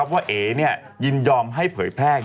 ว่าเอ๋ยินยอมให้เผยแพร่